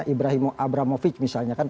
ibrahim abramovic misalnya kan